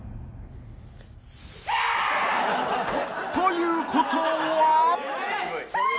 ［ということは］